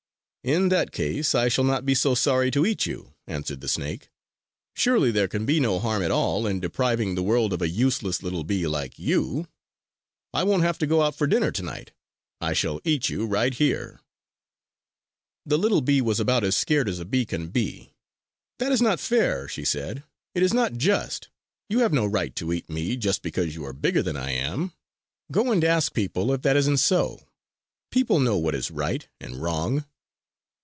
"In that case, I shall not be so sorry to eat you!" answered the snake. "Surely there can be no harm at all in depriving the world of a useless little bee like you! I won't have to go out for dinner tonight. I shall eat you right here!" The little bee was about as scared as a bee can be. "That is not fair," she said. "It is not just! You have no right to eat me just because you are bigger than I am. Go and ask people if that isn't so! People know what is right and wrong!"